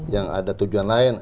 yang ada tujuan lain